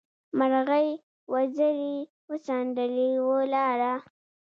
مرغۍ وزرې وڅنډلې؛ ولاړه.